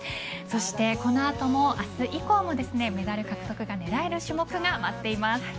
そして、この後も明日以降もですねメダル獲得が狙える種目が待っています。